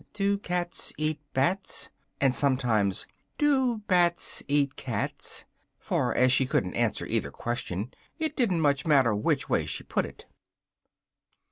do cats eat bats?" and sometimes, "do bats eat cats?" for, as she couldn't answer either question, it didn't much matter which way she put it.